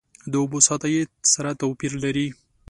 د اوبو سطحه یې سره توپیر لري.